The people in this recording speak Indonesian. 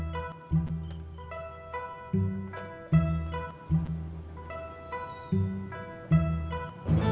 sayangnya irmaku itu waw bam k sharp now lah